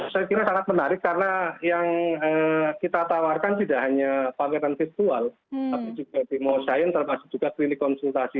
saya kira sangat menarik karena yang kita tawarkan tidak hanya pameran virtual tapi juga demo science termasuk juga klinik konsultasi